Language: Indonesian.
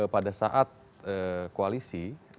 pada saat koalisi